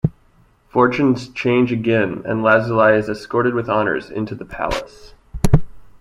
Fortunes change again, and Lazuli is escorted with honors into the palace.